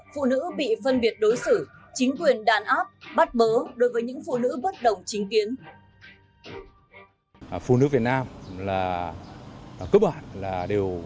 phụ nữ bị phân biệt đối xử chính quyền đàn áp bắt bớ đối với những phụ nữ bất đồng chính kiến